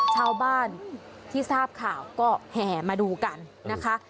ชาวบ้านที่ทราบข่าวก็แห่มาดูกันนะคะ